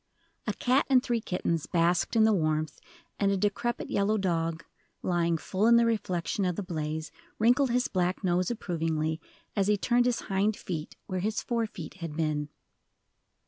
A cat and three kittens basked in the warmth, and a decrepit yellow dog, lying full in the reflection of the blaze, wrinkled his black nose approvingly, as he turned his hind feet where his fore feet had been.